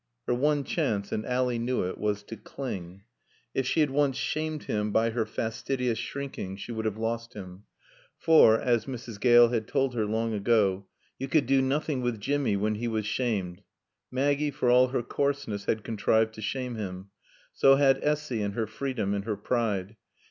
Her one chance, and Ally knew it, was to cling. If she had once shamed him by her fastidious shrinking she would have lost him; for, as Mrs. Gale had told her long ago, you could do nothing with Jimmy when he was shamed. Maggie, for all her coarseness, had contrived to shame him; so had Essy in her freedom and her pride.